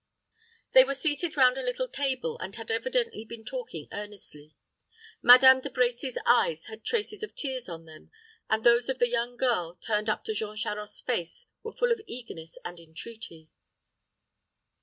They were seated round a little table, and had evidently been talking earnestly. Madame De Brecy's eyes had traces of tears on them, and those of the young girl, turned up to Jean Charost's face, were full of eagerness and entreaty.